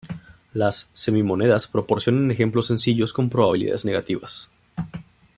Las "semi-monedas" proporcionan ejemplos sencillos con probabilidades negativas.